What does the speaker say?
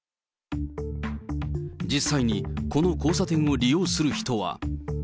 実際にこの交差点を利用する